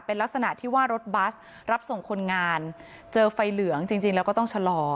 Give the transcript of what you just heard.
เป็นลักษณะที่ว่ารถบัสรับส่งคนงานเจอไฟเหลืองจริงแล้วก็ต้องชะลอ